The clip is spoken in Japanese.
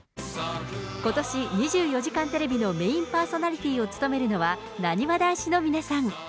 ことし２４時間テレビのメインパーソナリティーを務めるのは、なにわ男子の皆さん。